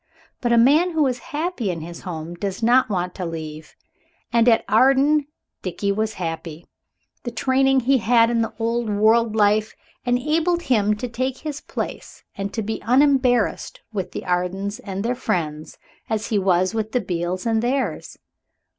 But a man who is happy in his home does not want to leave it. And at Arden Dickie was happy. The training he had had in the old world life enabled him to take his place and to be unembarrassed with the Ardens and their friends as he was with the Beales and theirs.